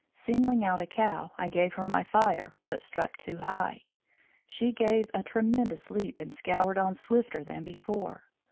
Singling out a cow, I gave her my fire but struck too high. She gave a tremendous leap and scoured on swifter than before.